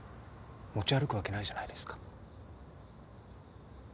持ち歩くわけないじゃないですか。